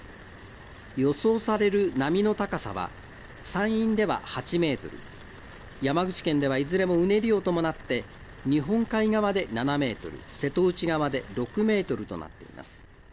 予想される波の高さは山陰では８メートル、山口県では、いずれもうねりを伴って日本海側で７メートル、瀬戸内側で６メートルとなっています。